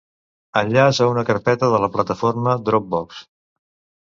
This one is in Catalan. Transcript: Enllaç a una carpeta de la plataforma Dropbox.